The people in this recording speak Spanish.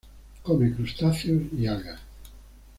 Come crustáceos y algas.